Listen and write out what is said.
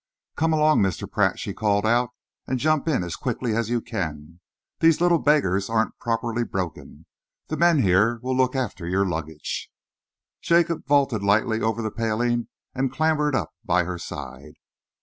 "Come along, Mr. Pratt," she called out, "and jump in as quickly as you can. These little beggars aren't properly broken. The men here will look after your luggage." Jacob vaulted lightly over the paling and clambered up by her side.